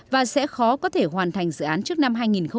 và sẽ khó có thể hoàn thành dự án trước năm hai nghìn hai mươi